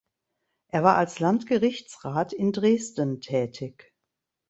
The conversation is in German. Er war als Landgerichtsrat in Dresden tätig.